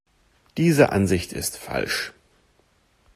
Diese Ansicht ist falsch.